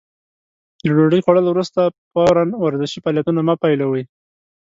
له ډوډۍ خوړلو وروسته فورً ورزشي فعالیتونه مه پيلوئ.